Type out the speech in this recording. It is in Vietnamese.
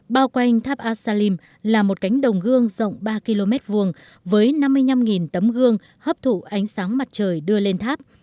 bao quanh tháp asalim là một cánh đồng gương rộng ba km hai với năm mươi năm tấm gương hấp thụ ánh sáng mặt trời đưa lên tháp